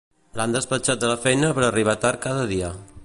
L'han despatxat de la feina per arribar tard cada dia